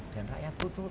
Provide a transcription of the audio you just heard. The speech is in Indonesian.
dan rakyat tutup